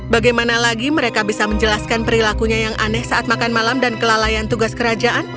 bagaimana lagi mereka bisa menjelaskan perilakunya yang aneh saat makan malam dan kelalaian tugas kerajaan